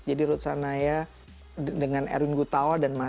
jadi rutsa hanaya dengan erwin gutawa dan mas